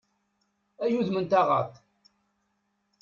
Ay udem n taɣaṭ!